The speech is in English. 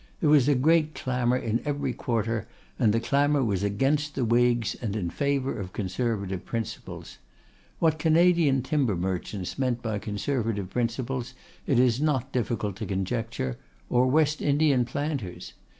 There was a great clamour in every quarter, and the clamour was against the Whigs and in favour of Conservative principles. What Canadian timber merchants meant by Conservative principles, it is not difficult to conjecture; or West Indian planters.